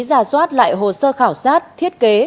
giả soát lại hồ sơ khảo sát thiết kế